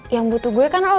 yang butuh gue kan oh